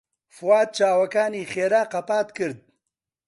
فواد چاوەکانی خێرا قەپات کرد.